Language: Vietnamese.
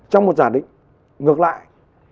trong một giả định ngược lại